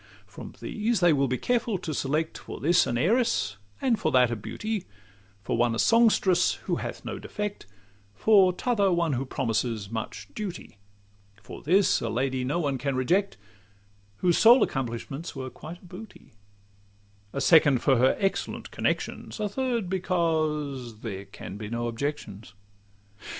From these they will be careful to select, For this an heiress, and for that a beauty; For one a songstress who hath no defect, For t' other one who promises much duty; For this a lady no one can reject, Whose sole accomplishments were quite a booty; A second for her excellent connections; A third, because there can be no objections.